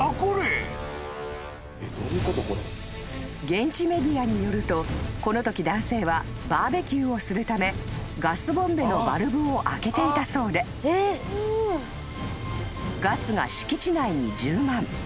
［現地メディアによるとこのとき男性はバーベキューをするためガスボンベのバルブを開けていたそうでガスが敷地内に充満］